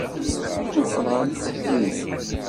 Mmuqqel ɣer yifassen-nnem.